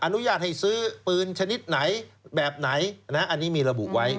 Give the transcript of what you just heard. อนุญาตให้ซื้อปืนชนิดไหนแบบไหนอันนี้มีระบุไว้